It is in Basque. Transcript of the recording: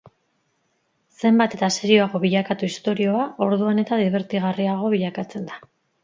Zenbat eta serioago bilakatu istorioa, orduan eta dibertigarriago bilakatzen da.